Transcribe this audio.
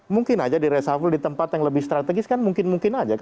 mungkin aja di resafel di tempat yang lebih strategis kan mungkin mungkin aja